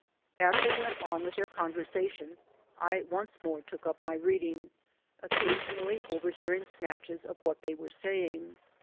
As they went on with their conversation, I once more took up my reading, occasionally overhearing snatches of what they were saying.